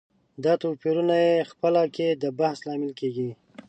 دا توپيرونه یې خپله کې د بحث لامل کېږي.